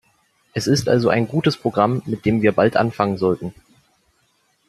Es ist also ein gutes Programm, mit dem wir bald anfangen sollten.